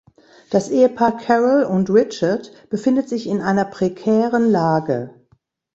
Das Ehepaar Carole und Richard befindet sich in einer prekären Lage.